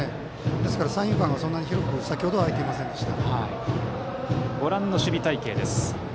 ですから、三遊間がそれ程広く空いていませんでした。